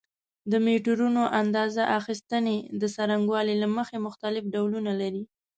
د میټرونو اندازه اخیستنې د څرنګوالي له مخې مختلف ډولونه لري.